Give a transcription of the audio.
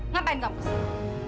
ngapain kamu sih